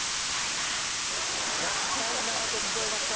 「ヤッバいな」と聞こえました